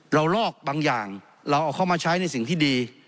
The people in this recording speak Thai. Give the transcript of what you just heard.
ลอกบางอย่างเราเอาเข้ามาใช้ในสิ่งที่ดี